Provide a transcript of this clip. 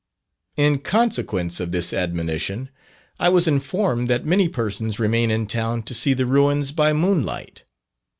In consequence of this admonition, I was informed that many persons remain in town to see the ruins by moonlight.